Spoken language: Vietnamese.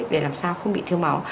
để làm sao không bị thiếu máu